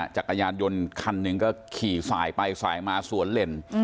จักรยานยนต์คันหนึ่งก็ขี่สายไปสายมาสวนเล่น